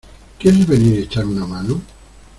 ¿ Quieres venir y echarme una mano?